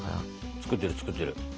作ってる作ってる。